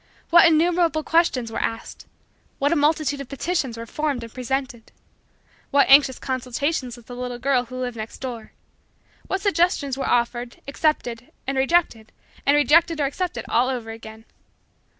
What innumerable questions were asked! What a multitude of petitions were formed and presented! What anxious consultations with the little girl who lived next door! What suggestions were offered, accepted and rejected, and rejected or accepted all over again!